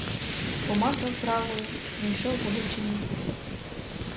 Помацав правою, найшов болюче місце.